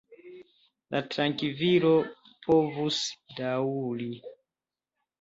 La trankvilo povus daŭri.